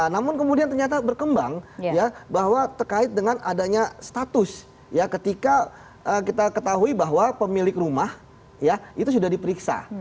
namun kemudian ternyata berkembang ya bahwa terkait dengan adanya status ketika kita ketahui bahwa pemilik rumah ya itu sudah diperiksa